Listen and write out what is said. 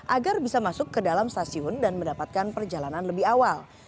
agar bisa masuk ke dalam stasiun dan mendapatkan perjalanan lebih awal